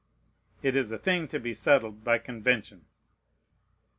It is a thing to be settled by convention.